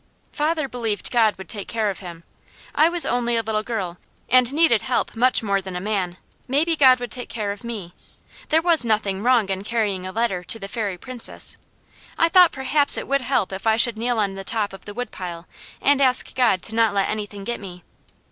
Father believed God would take care of him. I was only a little girl and needed help much more than a man; maybe God would take care of me. There was nothing wrong in carrying a letter to the Fairy Princess. I thought perhaps it would help if I should kneel on the top of the woodpile and ask God to not let anything get me.